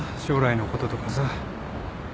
将来のこととかさ。